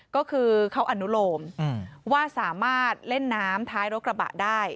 ก็คือเขาอนุโลมว่าสามารถเล่นน้ำท้ายรถกระบะได้